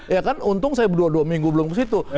ya kan untung saya dua dua minggu belum ke situ